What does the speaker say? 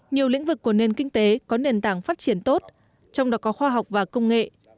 nhiều lĩnh vực của nền kinh tế có nền tảng phát triển tốt trong đó có khoa học và công nghệ